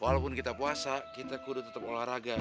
walaupun kita puasa kita kudu tetap olahraga